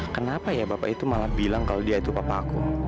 kenapa ya bapak itu malah bilang kalau dia itu papa aku